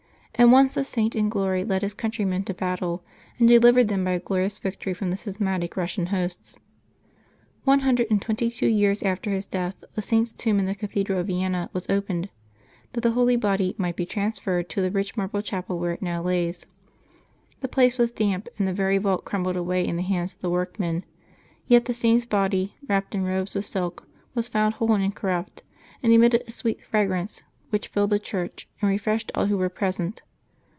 And once the Saint in glory led his countrymen to battle, and delivered them by a glorious victory from the schismatic Eussian hosts. One hundred and twenty two years after his death the Saint's tomb in the cathedral of Yjenna was opened, that the holy body might be transferred to the rich marble chapel where it now lies. The place was damp, and the very vault crumbled away in the hands of the workmen; yet the Saint's body, wrapped in robes of silk, was found whole and incorrupt, and emitted a sweet fragrance, which filled the church and refreshed all who were present.